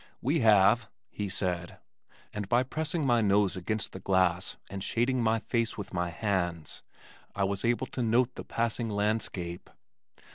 "We have," he said, and by pressing my nose against the glass and shading my face with my hands I was able to note the passing landscape.